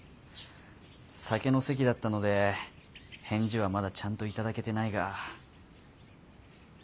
酒の席だったので返事はまだちゃんと頂けてないが。